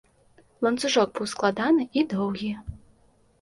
Ланцужок быў складаны і доўгі.